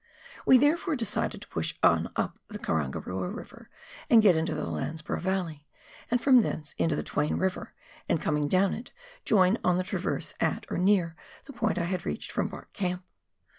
We therefore decided to push on up the Karangarua River, and get into the Lands borough Yalley, and from thence into the Twain River, and coming down it, join on the traverse at, or near, the point I had reached from Bark Camp.